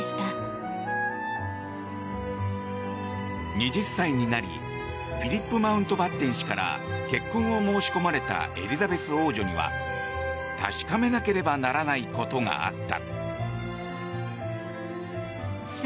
２０歳になりフィリップ・マウントバッテン氏から結婚を申し込まれたエリザベス王女には確かめなければならないことがあった。